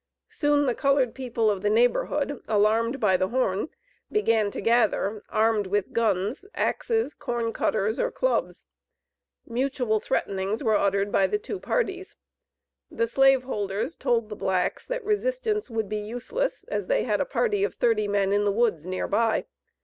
Soon the colored people of the neighborhood, alarmed by the horn, began to gather, armed with guns, axes, corn cutters, or clubs. Mutual threatenings were uttered by the two parties. The slave holders told the blacks that resistance would be useless, as they had a party of thirty men in the woods near by.